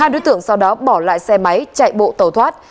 ba đối tượng sau đó bỏ lại xe máy chạy bộ tàu thoát